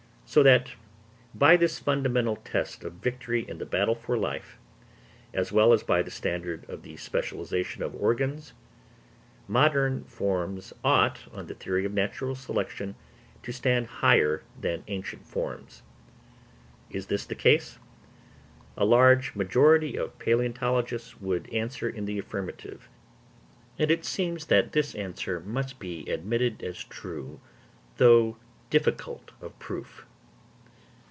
So that by this fundamental test of victory in the battle for life, as well as by the standard of the specialisation of organs, modern forms ought, on the theory of natural selection, to stand higher than ancient forms. Is this the case? A large majority of palæontologists would answer in the affirmative; and it seems that this answer must be admitted as true, though difficult of proof.